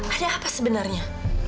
ada apa sebenarnya